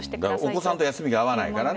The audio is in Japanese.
お子さんと休みが合わないからね。